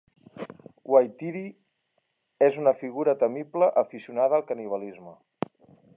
Whaitiri és una figura temible aficionada al canibalisme.